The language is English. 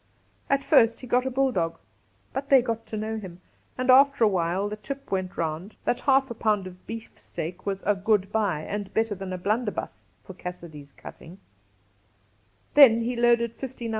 At first he got a bulldog, but they got to know him, and after awhile the tip went round that half a pound 128 Cassidy of beafsteak was a good buy and better than a blunderbuss for Cassidy's Cutting, Then he loaded fifty No.